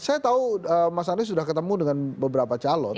saya tahu mas anies sudah ketemu dengan beberapa calon